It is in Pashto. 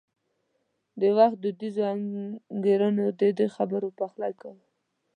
د وخت دودیزو انګېرنو د دې خبرو پخلی کاوه.